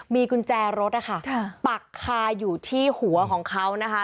มีกุญแจรถนะคะปักคาอยู่ที่หัวของเขานะคะ